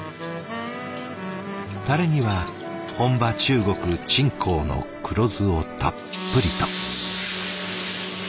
タレには本場中国・鎮江の黒酢をたっぷりと。